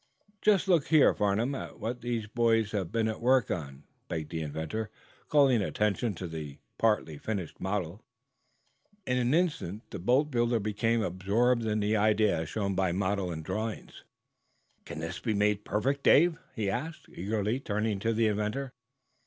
'" "Just look here, Farnum, at what these boys have been at work on," begged the inventor, calling attention to the partly finished model. In an instant the boatbuilder became absorbed in the idea as shown by model and drawings. "Can this be made perfect, Dave?" he asked, eagerly, turning to the inventor.